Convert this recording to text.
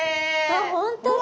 わっ本当だ！